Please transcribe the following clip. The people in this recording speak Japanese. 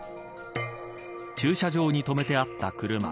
駐車場に止めてあった車。